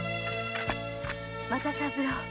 又三郎。